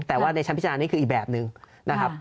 แต่ว่าในชั้นพิจารณานี้คืออีกแบบนึงนะครับ